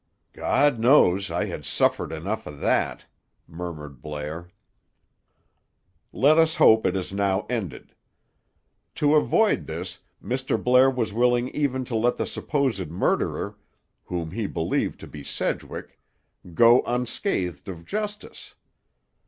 "God knows I had suffered enough of that!" murmured Blair. "Let us hope it is now ended. To avoid this, Mr. Blair was willing even to let the supposed murderer, whom he believed to be Sedgwick, go unscathed of justice.